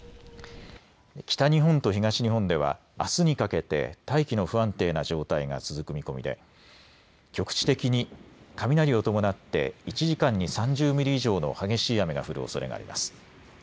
北日本と東日本ではあすにかけて大気の不安定な状態が続く見込みで局地的に雷を伴って１時間に３０ミリ以上の激しい雨が降るおそれがあります。